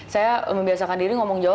saya membiasakan diri ngomong jawab